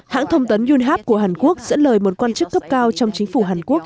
hãng thông tấn yonhap của hàn quốc sẽ lời một quan chức cấp cao trong chính phủ hàn quốc